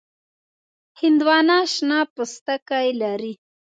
هندوانه شنه پوستکی لري.